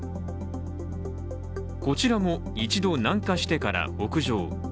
こちらも一度、南下してから北上。